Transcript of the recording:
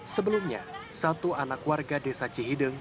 sebelumnya satu anak warga desa cihideng